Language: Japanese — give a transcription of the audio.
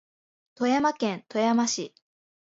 富山県富山市